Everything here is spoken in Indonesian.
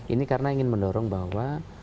ini karena ingin mendorong bahwa